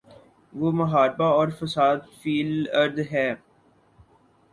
وہ محاربہ اور فساد فی الارض ہے۔